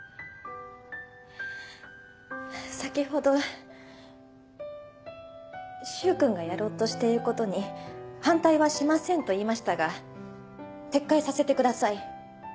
先ほど柊君がやろうとしていることに反対はしませんと言いましたが撤回させてください。